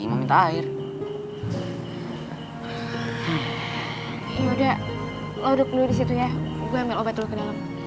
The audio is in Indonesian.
udah lo duduk dulu disitu ya gue ambil obat dulu ke dalam